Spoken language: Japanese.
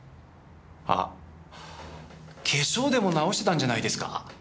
あ化粧でも直してたんじゃないですか。